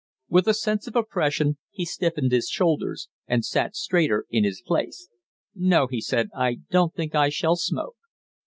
With a sense of oppression he stiffened his shoulders and sat straighter in his place. "No," he said, "I don't think I shall smoke."